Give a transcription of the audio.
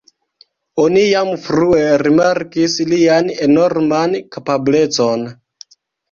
Oni jam frue rimarkis lian enorman kapablecon.